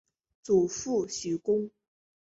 祖父许恭。